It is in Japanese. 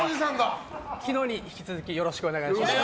昨日に引き続きよろしくお願いします。